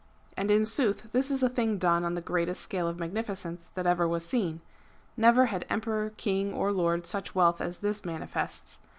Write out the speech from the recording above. And in sooth this is a thinp; done on the oreatest scale of maonificence that ever was seen. Never had o '^ emperor, king, or lord, such wealth as this manifests